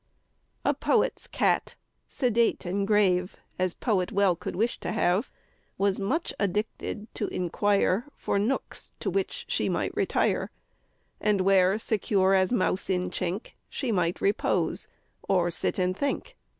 A poet's cat, sedate and grave As poet well could wish to have, Was much addicted to inquire For nooks to which she might retire, And where, secure as mouse in chink, She might repose, or sit and think.